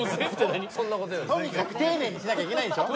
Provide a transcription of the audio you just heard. とにかく丁寧にしなきゃいけないでしょ？